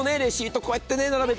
こうやって並べて。